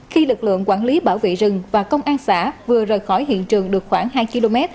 khi lực lượng quản lý bảo vệ rừng và công an xã vừa rời khỏi hiện trường được khoảng hai km